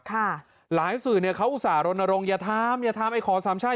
หลายสื่อเนี่ยเขาอุตส่าหรณรงคอย่าทำอย่าทำไอ้ขอสามช่าย